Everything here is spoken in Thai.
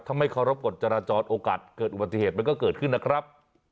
ถ้าไม่เคารพกฎจราจรโอกาสเกิดอุบัติเหตุมันก็เกิดขึ้นนะครับ